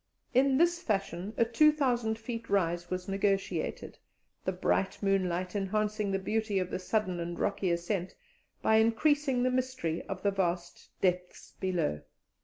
In this fashion a two thousand feet rise was negotiated, the bright moonlight enhancing the beauty of the sudden and rocky ascent by increasing the mystery of the vast depths below.